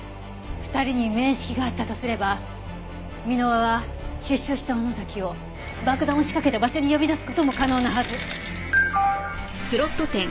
２人に面識があったとすれば箕輪は出所した尾野崎を爆弾を仕掛けた場所に呼び出す事も可能なはず。